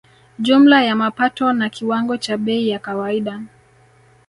Jumla ya mapato na kiwango cha bei ya kawaida